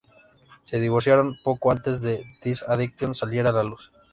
Se divorciaron poco antes de que This Addiction saliera a la luz.